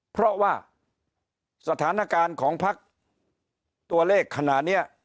เพราะว่าสถานการณ์ของพักตัวเลขขณะนี้